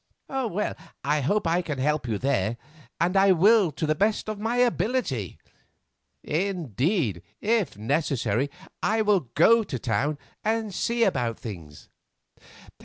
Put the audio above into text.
"I hope that I can help you there, and I will to the best of my ability; indeed, if necessary, I will go to town and see about things.